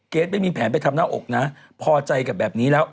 ไม่มีแผนไปทำหน้าอกนะพอใจกับแบบนี้แล้ว